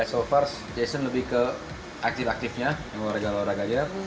so far jason lebih ke aktif aktifnya yang luarga luarganya